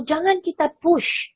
jangan kita push